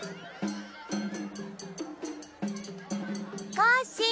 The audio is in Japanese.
コッシー！